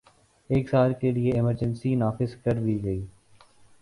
ایک سال کے لیے ایمرجنسی نافذ کر دی گئی